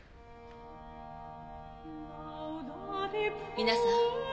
皆さん。